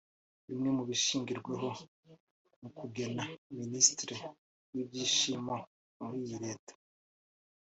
Bimwe mu bishingirwaho mu kugena Minisitiri w’Ibyishimo muri iyi Leta